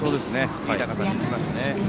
いい高さにいきましたね。